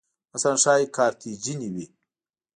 مثلاً ښایي کارتیجني وې